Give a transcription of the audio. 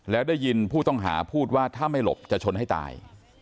แล้วได้ยินผู้ต้องหาพูดว่าถ้าไม่หลบจะชนให้ตาย